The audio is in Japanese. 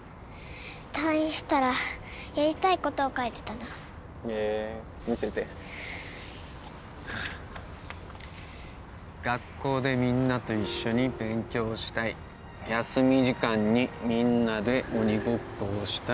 退院したらやりたいことを書いてたのへえー見せて「学校でみんなといっしょにべんきょうしたい」「休み時間にみんなでおにごっこをしたい」